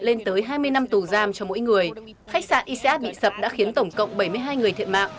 lên tới hai mươi năm tù giam cho mỗi người khách sạn ics bị sập đã khiến tổng cộng bảy mươi hai người thiệt mạng